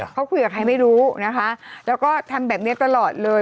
เขาคุยกับใครไม่รู้นะคะแล้วก็ทำแบบนี้ตลอดเลย